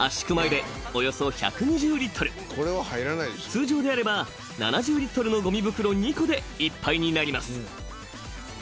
［通常であれば７０リットルのごみ袋２個でいっぱいになります］